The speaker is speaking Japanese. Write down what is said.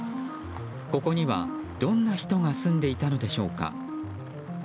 ここには、どんな人が住んでいたのでしょうか。